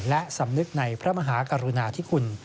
และสำนึกในพระมหากรุณาธิคุณ